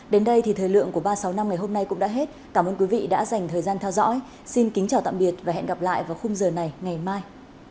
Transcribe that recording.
đến đây thì thời lượng của ba trăm sáu mươi năm ngày hôm nay cũng đã hết cảm ơn quý vị đã dành thời gian theo dõi xin kính chào tạm biệt và hẹn gặp lại vào khung giờ này ngày mai